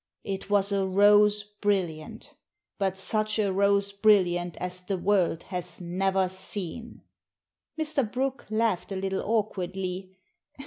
It was a rose brilliant But such a rose brilliant as the world has never seen ! Mr. Brooke laughed a little awkwardly.